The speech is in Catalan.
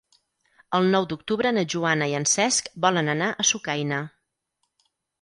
El nou d'octubre na Joana i en Cesc volen anar a Sucaina.